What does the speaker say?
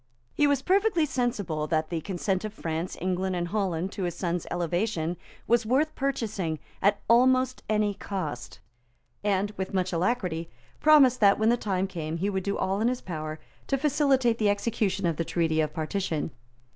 He was perfectly sensible that the consent of France, England and Holland to his son's elevation was worth purchasing at almost any cost, and, with much alacrity, promised that, when the time came, he would do all in his power to facilitate the execution of the Treaty of Partition.